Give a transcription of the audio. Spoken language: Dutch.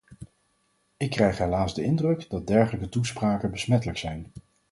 Ik krijg helaas de indruk dat dergelijke toespraken besmettelijk zijn.